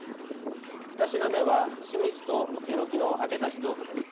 ２品目は、しめじとえのきの揚げ出し豆腐です。